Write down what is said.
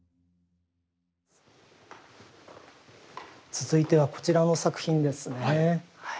続いてはこちらの作品ですね。